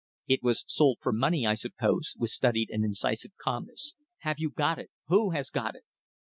"It was sold for money, I suppose," he said with studied and incisive calmness. "Have you got it? Who has got it?"